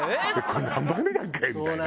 これ何杯目だっけ？みたいな。